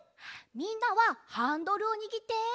みんなはハンドルをにぎって。